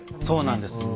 そうなんです。